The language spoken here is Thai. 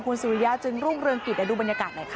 คุณศิวิยาจึงรุ่งเรืองกิจดูบรรยากาศหน่อยค่ะ